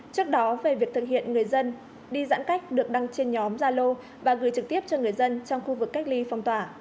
trước đó về việc thực hiện người dân đi giãn cách được đăng trên nhóm gia lô và gửi trực tiếp cho người dân trong khu vực cách ly phong tỏa